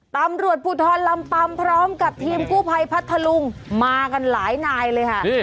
ตำรวจภูทรลำปัมพร้อมกับทีมกู้ภัยพัทธลุงมากันหลายนายเลยค่ะ